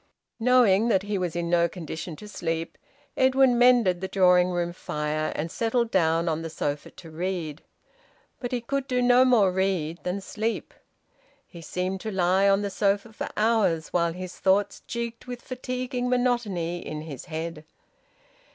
Knowing that he was in no condition to sleep, Edwin mended the drawing room fire, and settled down on the sofa to read. But he could no more read than sleep. He seemed to lie on the sofa for hours while his thoughts jigged with fatiguing monotony in his head.